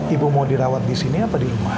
ibu mau dirawat disini apa di rumah